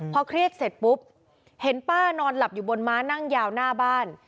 พอเครียดเสร็จปุ๊บเห็นป้านอนหลับอยู่บนม้านั่งยาวหน้าบ้าน